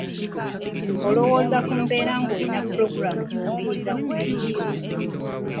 Lowooza ku mbeera ng’olina ppulogulaamu gy’owuliriza ku laadiyo.